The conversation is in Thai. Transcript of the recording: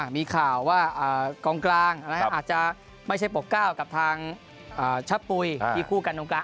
มีข่าวว่ากองกลางอาจจะไม่ใช่ปกเก้ากับทางชะปุ๋ยที่คู่กันตรงกลาง